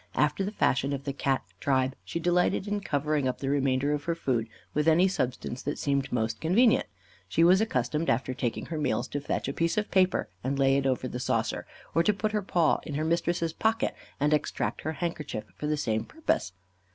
After the fashion of the Cat tribe, she delighted in covering up the remainder of her food with any substance that seemed most convenient. She was accustomed, after taking her meals, to fetch a piece of paper and lay it over the saucer, or to put her paw in her mistress's pocket and extract her handkerchief for the same purpose.